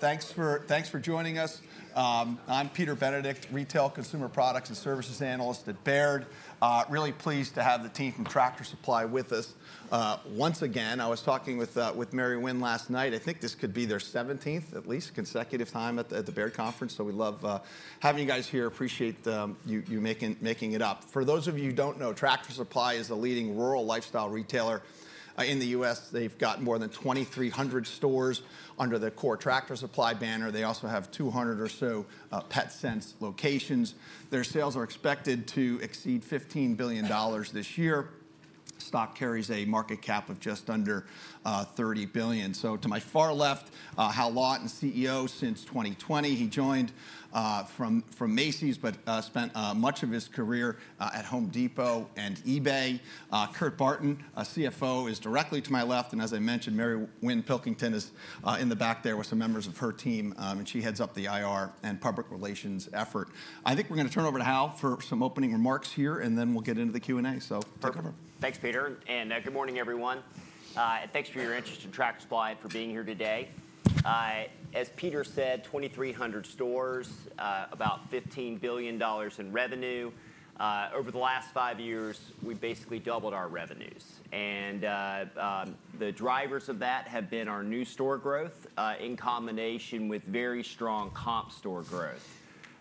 All right, good morning, everyone. Thanks for joining us. I'm Peter Benedict, Retail Consumer Products and Services Analyst at Baird. Really pleased to have the team from Tractor Supply with us. Once again, I was talking with Mary Winn last night. I think this could be their 17th, at least, consecutive time at the Baird Conference, so we love having you guys here. Appreciate you making it up. For those of you who do not know, Tractor Supply is a leading rural lifestyle retailer in the U.S. They have got more than 2,300 stores under the core Tractor Supply banner. They also have 200 or so PetSense locations. Their sales are expected to exceed $15 billion this year. Stock carries a market cap of just under $30 billion. To my far left, Hal Lawton, CEO since 2020. He joined from Macy's, but spent much of his career at Home Depot and eBay. Kurt Barton, CFO, is directly to my left. As I mentioned, Mary Winn Pilkington is in the back there with some members of her team. She heads up the IR and public relations effort. I think we are going to turn over to Hal for some opening remarks here, and then we will get into the Q and A. Take it away. Thanks, Peter. Good morning, everyone. Thanks for your interest in Tractor Supply and for being here today. As Peter said, 2,300 stores, about $15 billion in revenue. Over the last five years, we've basically doubled our revenues. The drivers of that have been our new store growth in combination with very strong comp store growth.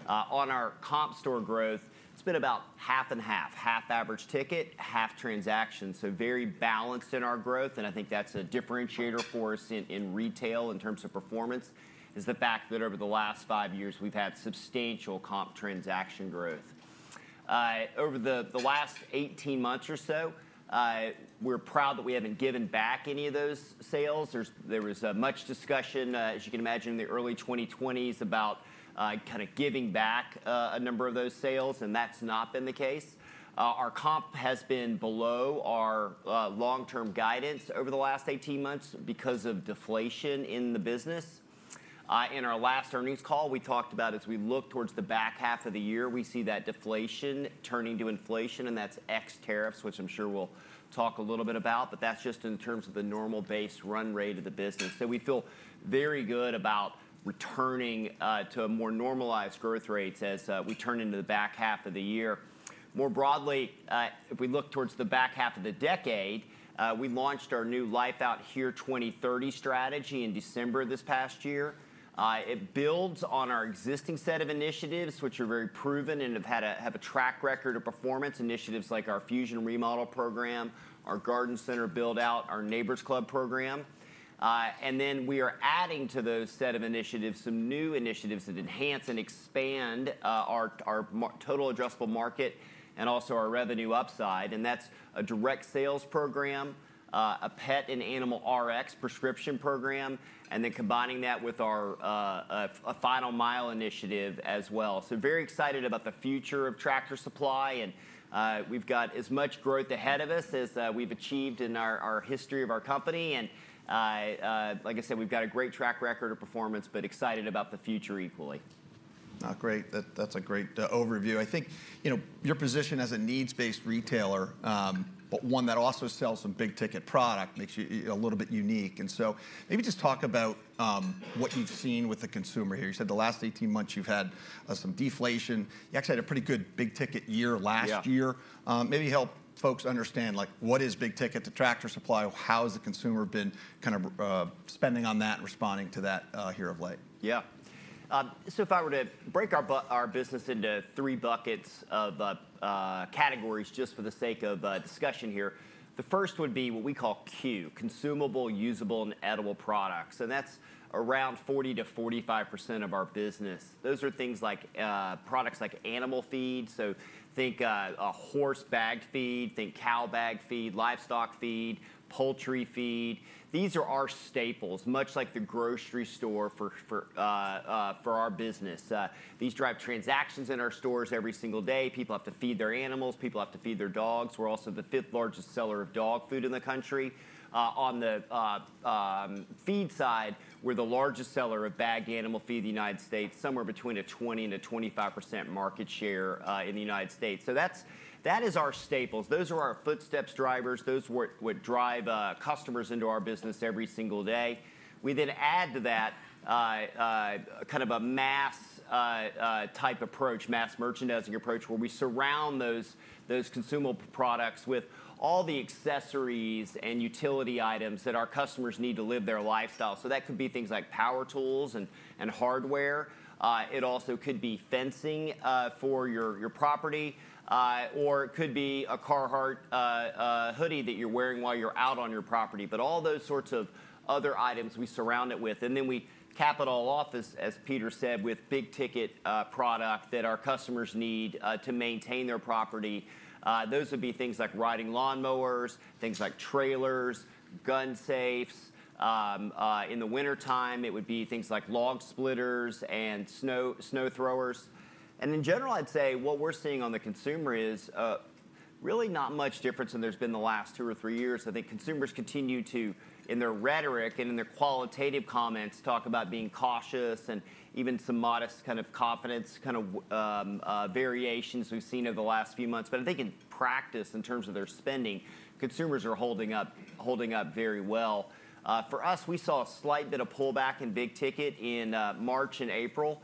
On our comp store growth, it's been about half and half, half average ticket, half transaction. Very balanced in our growth. I think that's a differentiator for us in retail in terms of performance, the fact that over the last five years, we've had substantial comp transaction growth. Over the last 18 months or so, we're proud that we haven't given back any of those sales. There was much discussion, as you can imagine, in the early 2020s about kind of giving back a number of those sales. That has not been the case. Our comp has been below our long-term guidance over the last 18 months because of deflation in the business. In our last earnings call, we talked about, as we look towards the back half of the year, we see that deflation turning to inflation. That is ex tariffs, which I am sure we will talk a little bit about. That is just in terms of the normal base run rate of the business. We feel very good about returning to more normalized growth rates as we turn into the back half of the year. More broadly, if we look towards the back half of the decade, we launched our new Life Out Here 2030 strategy in December of this past year. It builds on our existing set of initiatives, which are very proven and have a track record of performance, initiatives like our Fusion remodel program, our garden center build-out, our Neighbors' Club program. We are adding to those set of initiatives some new initiatives that enhance and expand our total addressable market and also our revenue upside. That is a direct sales program, a pet and animal RX prescription program, and then combining that with our Final Mile initiative as well. Very excited about the future of Tractor Supply. We have got as much growth ahead of us as we have achieved in the history of our company. Like I said, we have got a great track record of performance, but excited about the future equally. Great. That's a great overview. I think your position as a needs-based retailer, but one that also sells some big-ticket product, makes you a little bit unique. Maybe just talk about what you've seen with the consumer here. You said the last 18 months you've had some deflation. You actually had a pretty good big-ticket year last year. Maybe help folks understand, like, what is big ticket to Tractor Supply? How has the consumer been kind of spending on that and responding to that here of late? Yeah. If I were to break our business into three buckets of categories just for the sake of discussion here, the first would be what we call Q, consumable, usable, and edible products. That is around 40%-45% of our business. Those are things like products like animal feed. Think a horse bagged feed, think cow bagged feed, livestock feed, poultry feed. These are our staples, much like the grocery store for our business. These drive transactions in our stores every single day. People have to feed their animals. People have to feed their dogs. We're also the fifth largest seller of dog food in the country. On the feed side, we're the largest seller of bagged animal feed in the United States, somewhere between a 20%-25% market share in the United States. That is our staples. Those are our footsteps drivers. Those are what drive customers into our business every single day. We then add to that kind of a mass-type approach, mass merchandising approach, where we surround those consumable products with all the accessories and utility items that our customers need to live their lifestyle. That could be things like power tools and hardware. It also could be fencing for your property, or it could be a Carhartt hoodie that you're wearing while you're out on your property. All those sorts of other items we surround it with. We cap it all off, as Peter said, with big-ticket product that our customers need to maintain their property. Those would be things like riding lawnmowers, things like trailers, gun safes. In the wintertime, it would be things like log splitters and snow throwers. In general, I'd say what we're seeing on the consumer is really not much difference than there's been the last two or three years. I think consumers continue to, in their rhetoric and in their qualitative comments, talk about being cautious and even some modest kind of confidence kind of variations we've seen over the last few months. I think in practice, in terms of their spending, consumers are holding up very well. For us, we saw a slight bit of pullback in big ticket in March and April.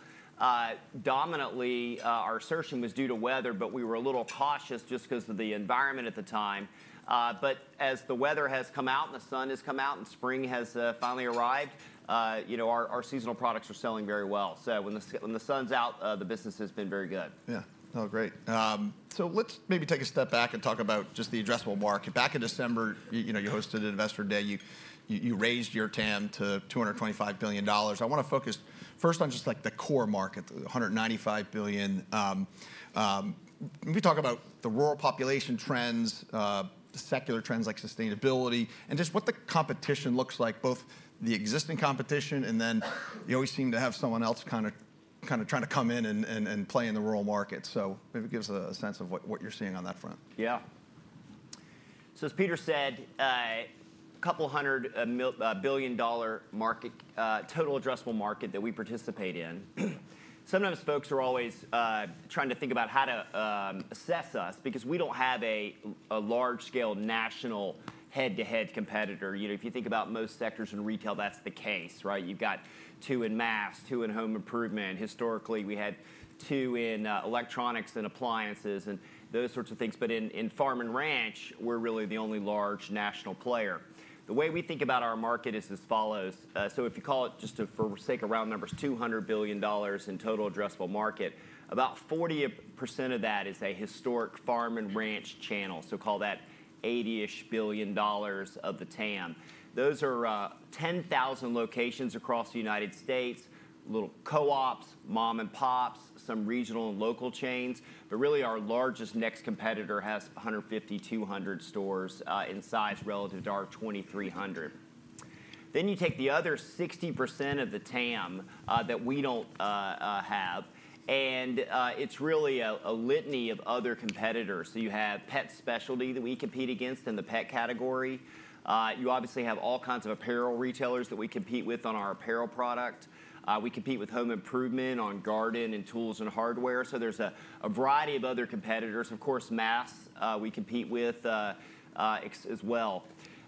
Dominantly, our assertion was due to weather, but we were a little cautious just because of the environment at the time. As the weather has come out and the sun has come out and spring has finally arrived, our seasonal products are selling very well. When the sun's out, the business has been very good. Yeah. No, great. Let's maybe take a step back and talk about just the addressable market. Back in December, you hosted Investor Day. You raised your TAM to $225 billion. I want to focus first on just like the core market, $195 billion. Maybe talk about the rural population trends, secular trends like sustainability, and just what the competition looks like, both the existing competition and then you always seem to have someone else kind of trying to come in and play in the rural market. Maybe give us a sense of what you're seeing on that front. Yeah. As Peter said, a couple hundred billion dollar total addressable market that we participate in. Sometimes folks are always trying to think about how to assess us because we do not have a large-scale national head-to-head competitor. If you think about most sectors in retail, that is the case. You have got two in mass, two in home improvement. Historically, we had two in electronics and appliances and those sorts of things. In farm and ranch, we are really the only large national player. The way we think about our market is as follows. If you call it just for sake of round numbers, $200 billion in total addressable market, about 40% of that is a historic farm and ranch channel. Call that $80-ish billion of the TAM. Those are 10,000 locations across the United States, little co-ops, mom-and-pops, some regional and local chains. Really, our largest next competitor has 150-200 stores in size relative to our 2,300. Then you take the other 60% of the TAM that we do not have. It is really a litany of other competitors. You have pet specialty that we compete against in the pet category. You obviously have all kinds of apparel retailers that we compete with on our apparel product. We compete with home improvement on garden and tools and hardware. There is a variety of other competitors. Of course, mass we compete with as well.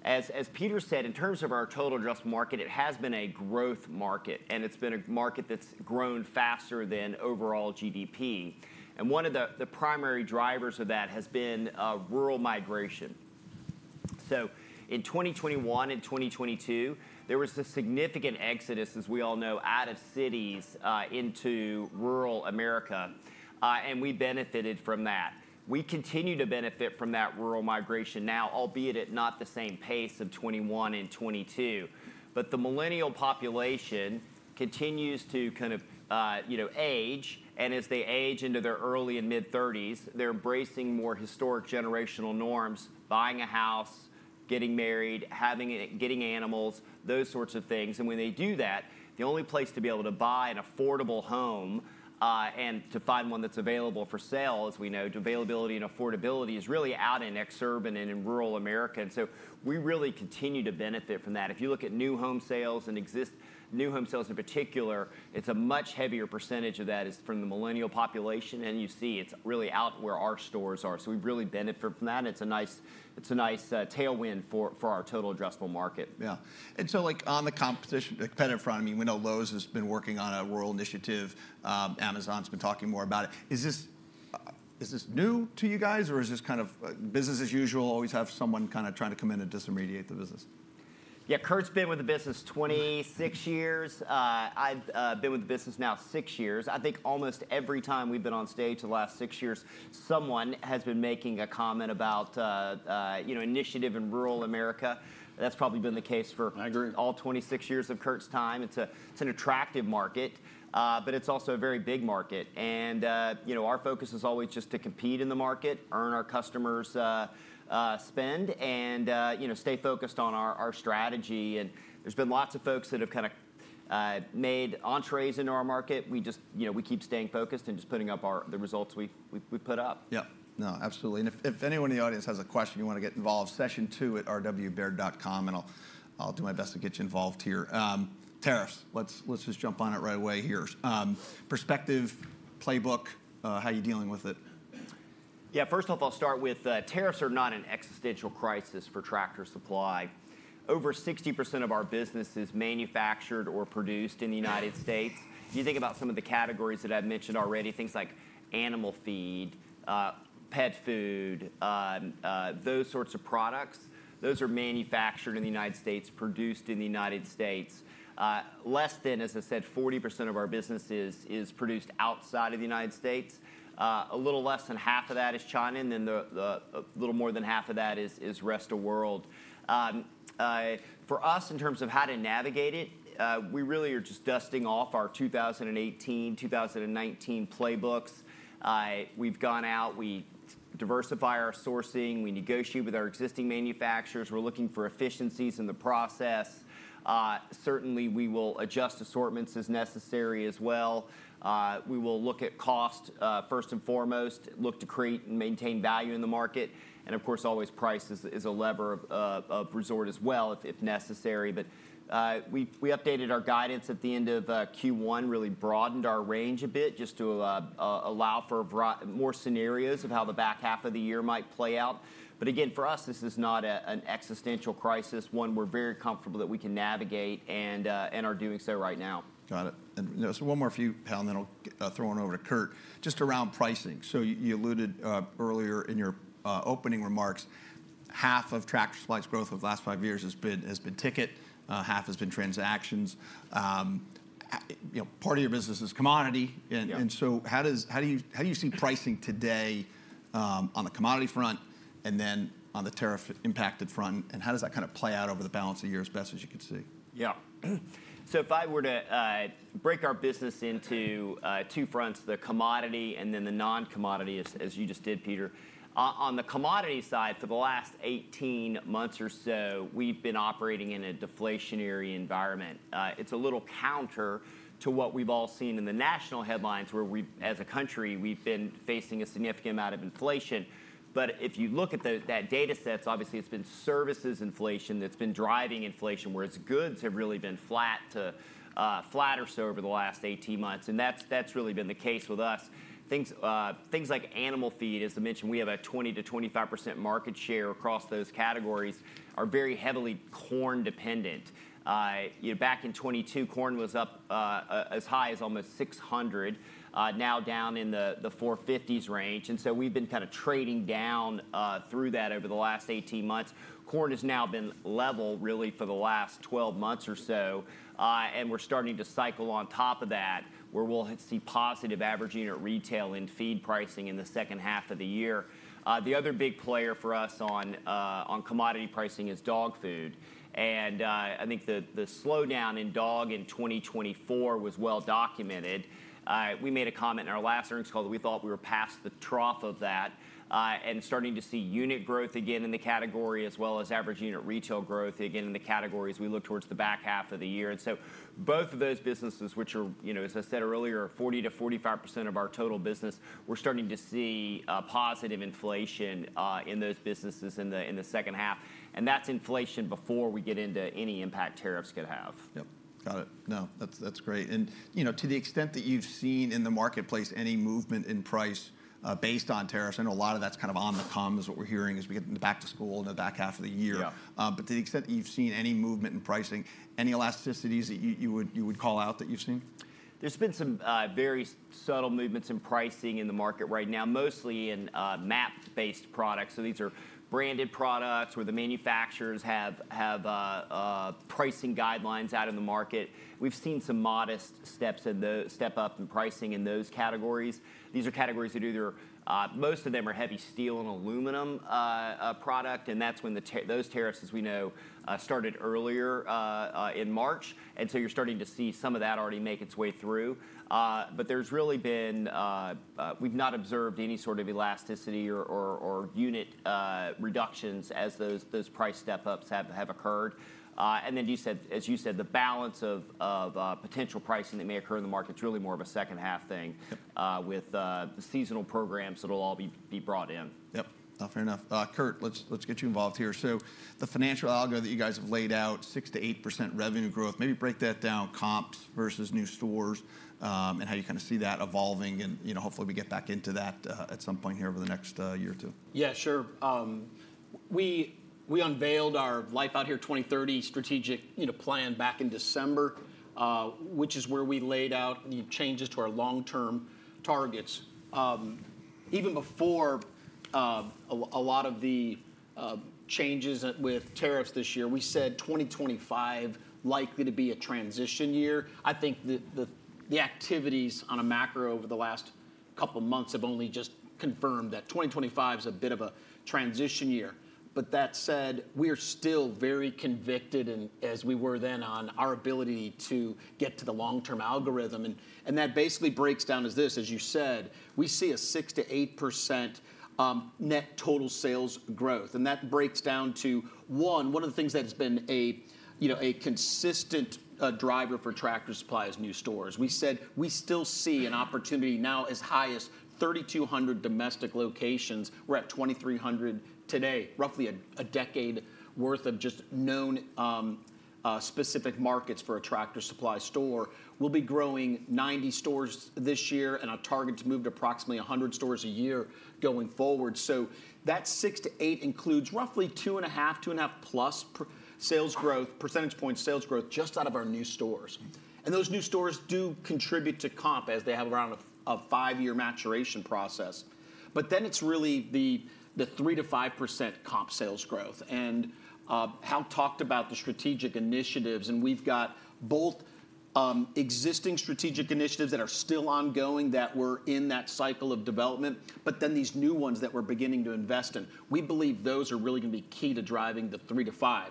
As Peter said, in terms of our total addressable market, it has been a growth market. It has been a market that has grown faster than overall GDP. One of the primary drivers of that has been rural migration. In 2021 and 2022, there was a significant exodus, as we all know, out of cities into rural America. We benefited from that. We continue to benefit from that rural migration now, albeit at not the same pace of 2021 and 2022. The millennial population continues to kind of age. As they age into their early and mid-30s, they're embracing more historic generational norms, buying a house, getting married, getting animals, those sorts of things. When they do that, the only place to be able to buy an affordable home and to find one that's available for sale, as we know, availability and affordability is really out in exurban and in rural America. We really continue to benefit from that. If you look at new home sales and exist new home sales in particular, a much heavier percentage of that is from the millennial population. You see it's really out where our stores are. We really benefit from that. It's a nice tailwind for our total addressable market. Yeah. And so, like on the competitive front, I mean, we know Lowe's has been working on a rural initiative. Amazon's been talking more about it. Is this new to you guys, or is this kind of business as usual, always have someone kind of trying to come in and disremediate the business? Yeah, Kurt's been with the business 26 years. I've been with the business now six years. I think almost every time we've been on stage the last six years, someone has been making a comment about initiative in rural America. That's probably been the case for all 26 years of Kurt's time. It's an attractive market, but it's also a very big market. Our focus is always just to compete in the market, earn our customers' spend, and stay focused on our strategy. There's been lots of folks that have kind of made entrées into our market. We just keep staying focused and just putting up the results we put up. Yeah. No, absolutely. If anyone in the audience has a question, you want to get involved, session2@rwberg.com, and I'll do my best to get you involved here. Tariffs, let's just jump on it right away here. Perspective, playbook, how are you dealing with it? Yeah, first off, I'll start with tariffs are not an existential crisis for Tractor Supply. Over 60% of our business is manufactured or produced in the U.S. You think about some of the categories that I've mentioned already, things like animal feed, pet food, those sorts of products. Those are manufactured in the U.S., produced in the U.S. Less than, as I said, 40% of our business is produced outside of the U.S. A little less than half of that is China, and then a little more than half of that is rest of world. For us, in terms of how to navigate it, we really are just dusting off our 2018, 2019 playbooks. We've gone out, we diversify our sourcing, we negotiate with our existing manufacturers, we're looking for efficiencies in the process. Certainly, we will adjust assortments as necessary as well. We will look at cost first and foremost, look to create and maintain value in the market. Of course, always price is a lever of resort as well if necessary. We updated our guidance at the end of Q1, really broadened our range a bit just to allow for more scenarios of how the back half of the year might play out. Again, for us, this is not an existential crisis, one we're very comfortable that we can navigate and are doing so right now. Got it. And one more few pounds, then I'll throw one over to Kurt. Just around pricing. You alluded earlier in your opening remarks, half of Tractor Supply's growth over the last five years has been ticket, half has been transactions. Part of your business is commodity. How do you see pricing today on the commodity front and then on the tariff impacted front? How does that kind of play out over the balance of years best as you can see? Yeah. If I were to break our business into two fronts, the commodity and then the non-commodity, as you just did, Peter, on the commodity side, for the last 18 months or so, we've been operating in a deflationary environment. It's a little counter to what we've all seen in the national headlines where we, as a country, have been facing a significant amount of inflation. If you look at that data set, obviously it's been services inflation that's been driving inflation, whereas goods have really been flat or so over the last 18 months. That's really been the case with us. Things like animal feed, as I mentioned, we have a 20%-25% market share across those categories, are very heavily corn dependent. Back in 2022, corn was up as high as almost $600, now down in the $450s range. We have been kind of trading down through that over the last 18 months. Corn has now been level really for the last 12 months or so. We are starting to cycle on top of that where we will see positive average unit retail and feed pricing in the second half of the year. The other big player for us on commodity pricing is dog food. I think the slowdown in dog in 2024 was well documented. We made a comment in our last earnings call that we thought we were past the trough of that and starting to see unit growth again in the category as well as average unit retail growth again in the category as we look towards the back half of the year. Both of those businesses, which are, as I said earlier, 40%-45% of our total business, we're starting to see positive inflation in those businesses in the second half. That's inflation before we get into any impact tariffs could have. Yep. Got it. No, that's great. To the extent that you've seen in the marketplace any movement in price based on tariffs, I know a lot of that's kind of on the com is what we're hearing as we get into back to school in the back half of the year. To the extent that you've seen any movement in pricing, any elasticities that you would call out that you've seen? There's been some very subtle movements in pricing in the market right now, mostly in MAP-based products. These are branded products where the manufacturers have pricing guidelines out in the market. We've seen some modest steps in the step up in pricing in those categories. These are categories that either most of them are heavy steel and aluminum product. That's when those tariffs, as we know, started earlier in March. You are starting to see some of that already make its way through. There's really been we've not observed any sort of elasticity or unit reductions as those price step ups have occurred. As you said, the balance of potential pricing that may occur in the market is really more of a second half thing with the seasonal programs that will all be brought in. Yep. Fair enough. Kurt, let's get you involved here. So, the financial algo that you guys have laid out, 6%-8% revenue growth, maybe break that down, comps versus new stores and how you kind of see that evolving. Hopefully we get back into that at some point here over the next year or two. Yeah, sure. We unveiled our Life Out Here 2030 strategic plan back in December, which is where we laid out the changes to our long-term targets. Even before a lot of the changes with tariffs this year, we said 2025 likely to be a transition year. I think the activities on a macro over the last couple of months have only just confirmed that 2025 is a bit of a transition year. That said, we are still very convicted, as we were then, on our ability to get to the long-term algorithm. That basically breaks down as this, as you said, we see a 6%-8% net total sales growth. That breaks down to, one, one of the things that has been a consistent driver for Tractor Supply is new stores. We said we still see an opportunity now as high as 3,200 domestic locations. We're at 2,300 today, roughly a decade worth of just known specific markets for a Tractor Supply store. We'll be growing 90 stores this year. Our target's moved to approximately 100 stores a year going forward. That 6%-8% includes roughly 2.5%, 2.5+% sales growth, percentage point sales growth just out of our new stores. Those new stores do contribute to comp as they have around a five-year maturation process. It is really the 3%-5% comp sales growth. Hal talked about the strategic initiatives. We've got both existing strategic initiatives that are still ongoing that were in that cycle of development, but then these new ones that we're beginning to invest in. We believe those are really going to be key to driving the 3%-5%.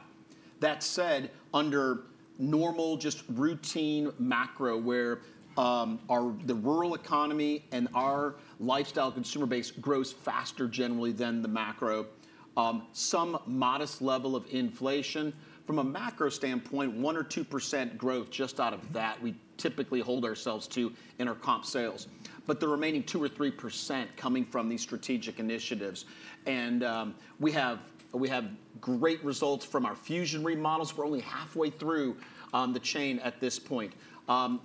That said, under normal, just routine macro where the rural economy and our lifestyle consumer base grows faster generally than the macro, some modest level of inflation from a macro standpoint, 1% or 2% growth just out of that we typically hold ourselves to in our comp sales. The remaining 2% or 3% coming from these strategic initiatives. We have great results from our fusion remodels. We're only halfway through the chain at this point,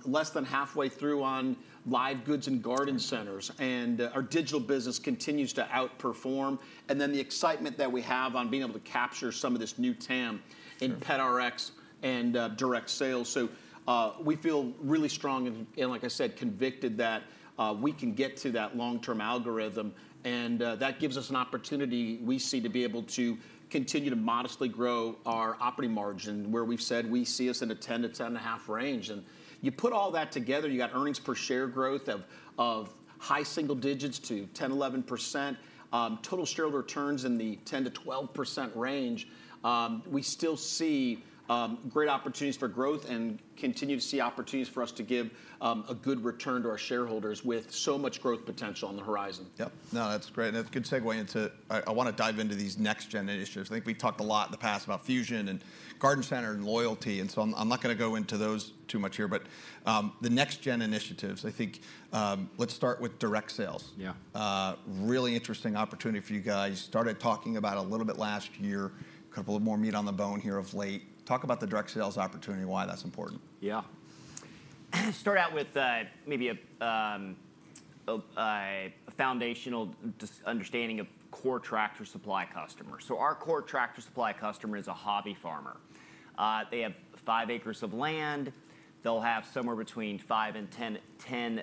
less than halfway through on live goods and garden centers. Our digital business continues to outperform. The excitement that we have on being able to capture some of this new TAM in pet RX and direct sales. We feel really strong and, like I said, convicted that we can get to that long-term algorithm. That gives us an opportunity we see to be able to continue to modestly grow our operating margin where we've said we see us in a 10%-10.5% range. You put all that together, you got earnings per share growth of high single digits to 10%, 11%, total shareholder returns in the 10%-12% range. We still see great opportunities for growth and continue to see opportunities for us to give a good return to our shareholders with so much growth potential on the horizon. Yep. No, that's great. That's a good segue. I want to dive into these next-gen initiatives. I think we've talked a lot in the past about fusion and garden center and loyalty. I'm not going to go into those too much here. The next-gen initiatives, I think let's start with direct sales. Yeah, really interesting opportunity for you guys. Started talking about it a little bit last year, a couple of more meat on the bone here of late. Talk about the direct sales opportunity, why that's important. Yeah. Start out with maybe a foundational understanding of core Tractor Supply customers. So, our core Tractor Supply customer is a hobby farmer. They have five acres of land. They'll have somewhere between 5 and 10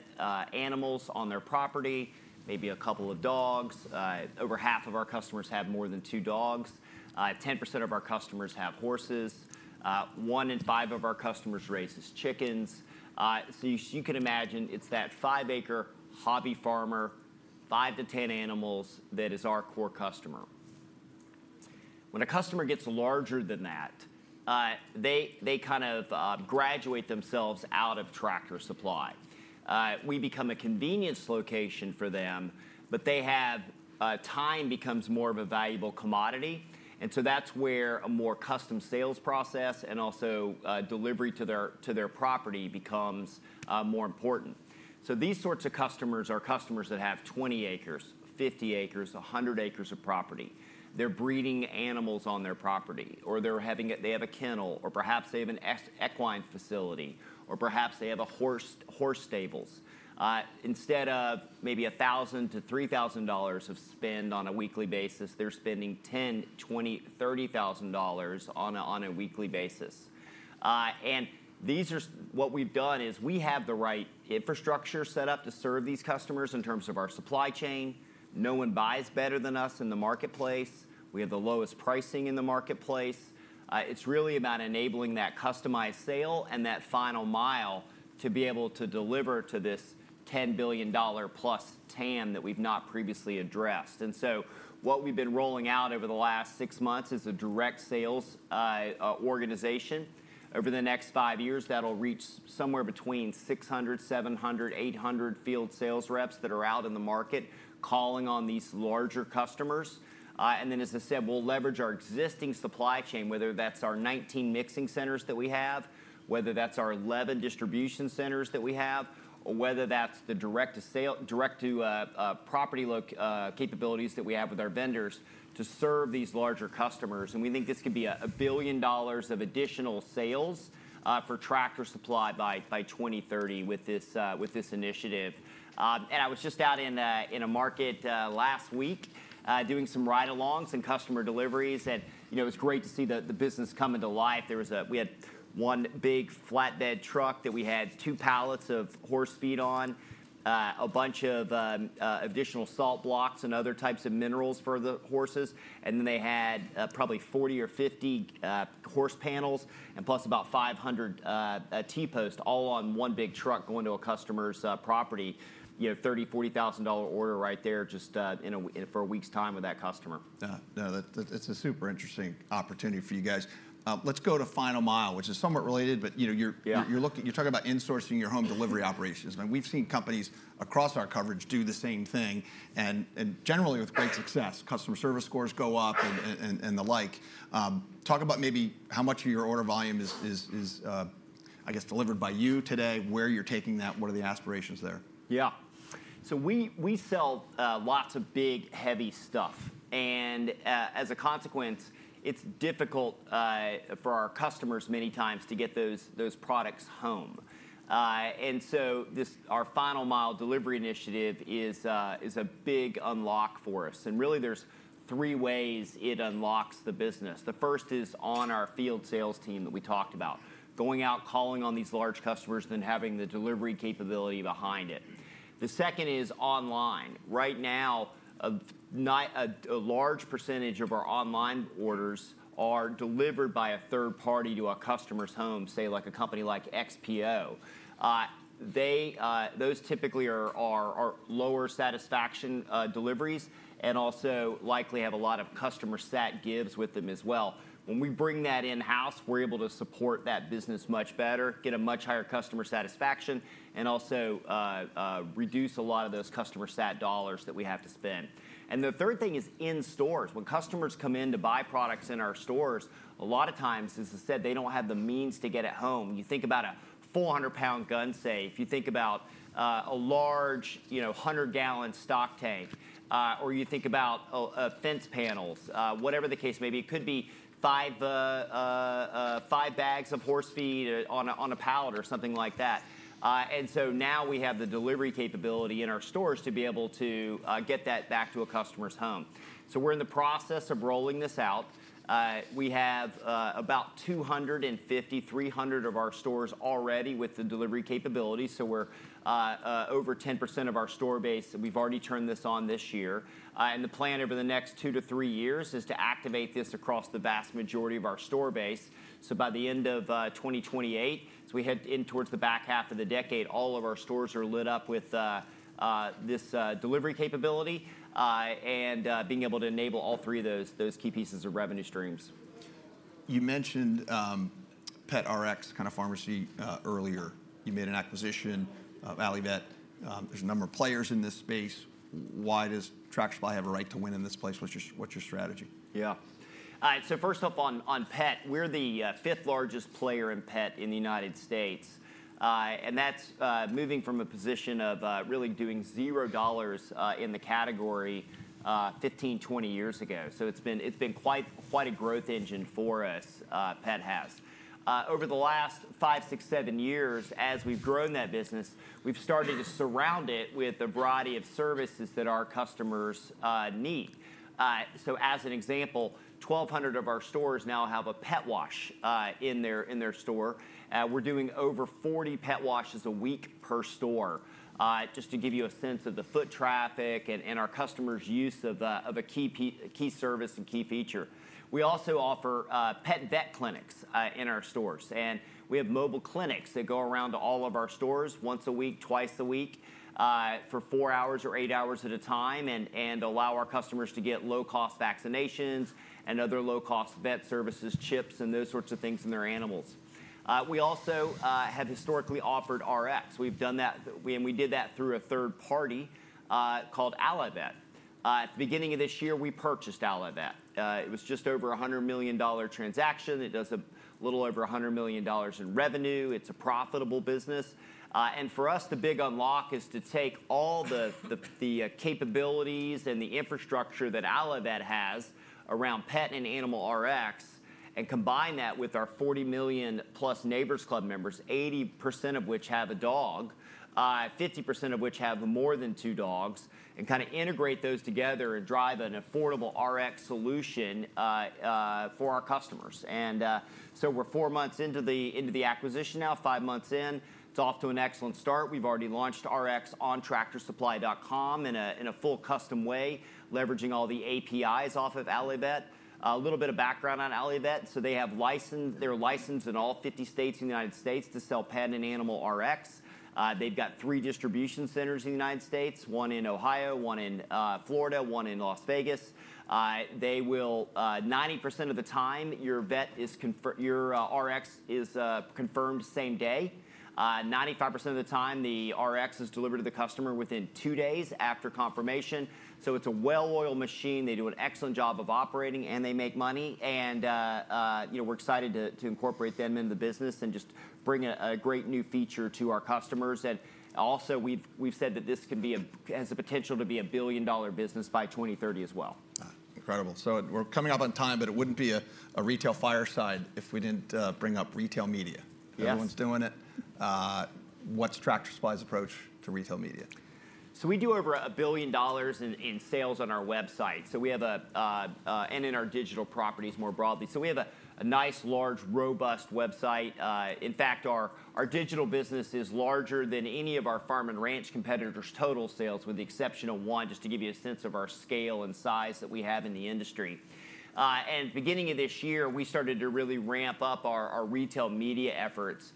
animals on their property, maybe a couple of dogs. Over half of our customers have more than two dogs. 10% of our customers have horses. One in five of our customers raises chickens. So, you can imagine it's that five-acre hobby farmer, 5-10 animals that is our core customer. When a customer gets larger than that, they kind of graduate themselves out of Tractor Supply. We become a convenience location for them, but time becomes more of a valuable commodity. And so, that's where a more custom sales process and also delivery to their property becomes more important. These sorts of customers are customers that have 20 acres, 50 acres, 100 acres of property. They're breeding animals on their property or they have a kennel or perhaps they have an equine facility or perhaps they have horse stables. Instead of maybe $1,000-$3,000 of spend on a weekly basis, they're spending $10,000, $20,000, $30,000 on a weekly basis. What we've done is we have the right infrastructure set up to serve these customers in terms of our supply chain. No one buys better than us in the marketplace. We have the lowest pricing in the marketplace. It's really about enabling that customized sale and that final mile to be able to deliver to this $10+ billion TAM that we've not previously addressed. What we've been rolling out over the last six months is a direct sales organization. Over the next five years, that'll reach somewhere between 600-700-800 field sales reps that are out in the market calling on these larger customers. As I said, we'll leverage our existing supply chain, whether that's our 19 mixing centers that we have, whether that's our 11 distribution centers that we have, or whether that's the direct-to-property capabilities that we have with our vendors to serve these larger customers. We think this could be a billion dollars of additional sales for Tractor Supply by 2030 with this initiative. I was just out in a market last week doing some ride-alongs and customer deliveries. It was great to see the business come into life. We had one big flatbed truck that we had two pallets of horse feed on, a bunch of additional salt blocks and other types of minerals for the horses. They had probably 40 or 50 horse panels plus about 500 T-posts all on one big truck going to a customer's property, $30,000-$40,000 order right there just for a week's time with that customer. Yeah. No, that's a super interesting opportunity for you guys. Let's go to final mile, which is somewhat related, but you're talking about insourcing your home delivery operations. We've seen companies across our coverage do the same thing. Generally, with great success, customer service scores go up and the like. Talk about maybe how much of your order volume is, I guess, delivered by you today, where you're taking that, what are the aspirations there. Yeah. We sell lots of big, heavy stuff. As a consequence, it's difficult for our customers many times to get those products home. Our final mile delivery initiative is a big unlock for us. Really, there are three ways it unlocks the business. The first is on our field sales team that we talked about, going out, calling on these large customers, then having the delivery capability behind it. The second is online. Right now, a large percentage of our online orders are delivered by a third party to a customer's home, say like a company like XPO. Those typically are lower satisfaction deliveries and also likely have a lot of customer SAT gives with them as well. When we bring that in-house, we're able to support that business much better, get a much higher customer satisfaction, and also reduce a lot of those customer SAT dollars that we have to spend. The third thing is in stores. When customers come in to buy products in our stores, a lot of times, as I said, they don't have the means to get it home. You think about a 400 lbs gun safe, say, if you think about a large 100-gal stock tank or you think about fence panels, whatever the case may be, it could be five bags of horse feed on a pallet or something like that. Now we have the delivery capability in our stores to be able to get that back to a customer's home. We're in the process of rolling this out. We have about 250,300 of our stores already with the delivery capability. We are over 10% of our store base. We have already turned this on this year. The plan over the next two to three years is to activate this across the vast majority of our store base. By the end of 2028, as we head in towards the back half of the decade, all of our stores are lit up with this delivery capability and being able to enable all three of those key pieces of revenue streams. You mentioned pet RX kind of pharmacy earlier. You made an acquisition, Allivet. There's a number of players in this space. Why does Tractor Supply have a right to win in this place? What's your strategy? Yeah. All right. So, first off, on pet, we're the fifth largest player in pet in the U.S. And that's moving from a position of really doing $0 in the category 15, 20 years ago. It's been quite a growth engine for us, pet has. Over the last five, six, seven years, as we've grown that business, we've started to surround it with a variety of services that our customers need. As an example, 1,200 of our stores now have a pet wash in their store. We're doing over 40 pet washes a week per store, just to give you a sense of the foot traffic and our customers' use of a key service and key feature. We also offer pet vet clinics in our stores. We have mobile clinics that go around to all of our stores once a week, twice a week for four hours or eight hours at a time and allow our customers to get low-cost vaccinations and other low-cost vet services, chips, and those sorts of things in their animals. We also have historically offered RX. We've done that, and we did that through a third party called Allivet. At the beginning of this year, we purchased Allivet. It was just over a $100 million transaction. It does a little over $100 million in revenue. It's a profitable business. For us, the big unlock is to take all the capabilities and the infrastructure that Allivet has around pet and animal RX and combine that with our 40+ million Neighbors Club members, 80% of which have a dog, 50% of which have more than two dogs, and kind of integrate those together and drive an affordable RX solution for our customers. We are four months into the acquisition now, five months in. It is off to an excellent start. We have already launched RX on tractorsupply.com in a full custom way, leveraging all the APIs off of Allivet. A little bit of background on Allivet. They have their license in all 50 states in the United States to sell pet and animal RX. They have three distribution centers in the United States, one in Ohio, one in Florida, one in Las Vegas. They will, 90% of the time, your RX is confirmed same day. 95% of the time, the RX is delivered to the customer within two days after confirmation. It is a well-oiled machine. They do an excellent job of operating, and they make money. We are excited to incorporate them into the business and just bring a great new feature to our customers. We have also said that this has the potential to be a billion-dollar business by 2030 as well. Incredible. We're coming up on time, but it wouldn't be a retail fireside if we didn't bring up retail media. Everyone's doing it. What's Tractor Supply's approach to retail media? We do over $1 billion in sales on our website. We have a, and in our digital properties more broadly. We have a nice, large, robust website. In fact, our digital business is larger than any of our farm and ranch competitors' total sales, with the exception of one, just to give you a sense of our scale and size that we have in the industry. Beginning of this year, we started to really ramp up our retail media efforts.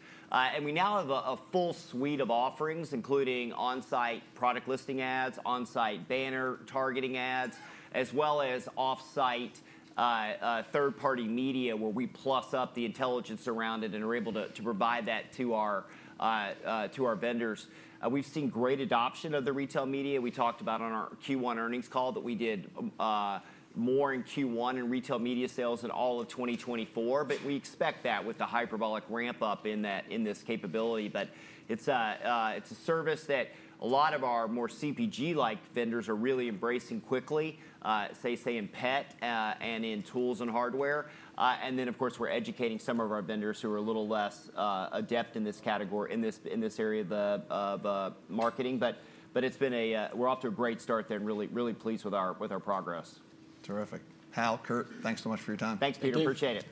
We now have a full suite of offerings, including onsite product listing ads, onsite banner targeting ads, as well as offsite third-party media where we plus up the intelligence around it and are able to provide that to our vendors. We've seen great adoption of the retail media. We talked about on our Q1 earnings call that we did more in Q1 in retail media sales than all of 2024. We expect that with the hyperbolic ramp-up in this capability. It is a service that a lot of our more CPG-like vendors are really embracing quickly, say, in pet and in tools and hardware. Of course, we are educating some of our vendors who are a little less adept in this category, in this area of marketing. We are off to a great start there and really, really pleased with our progress. Terrific. Hal, Kurt, thanks so much for your time. Thanks, Peter. Appreciate it.